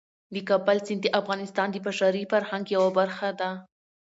د کابل سیند د افغانستان د بشري فرهنګ یوه برخه ده.